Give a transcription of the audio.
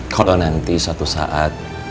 kalau nanti suatu saat